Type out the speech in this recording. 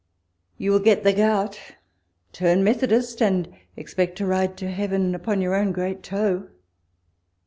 You will get the gout, turn Methodist, and expect to ride to heaven upon your own great toe.